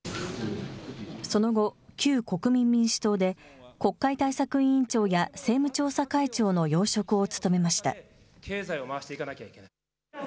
その後、旧国民民主党で国会対策委員長や政務調査会長の要職を務めました。